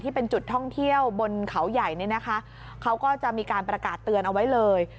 เป็นจุดท่องเที่ยวบนเขาใหญ่เนี่ยนะคะเขาก็จะมีการประกาศเตือนเอาไว้เลย